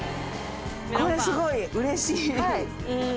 これすごいうれしい！